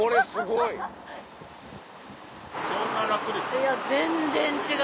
いや全然違う。